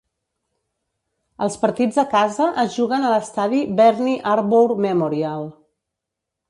Els partits a casa es juguen a l'estadi Bernie Arbour Memorial.